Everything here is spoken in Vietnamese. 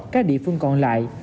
các địa phương còn lại